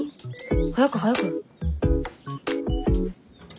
早く早く。